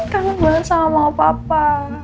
kangen banget sama mama papa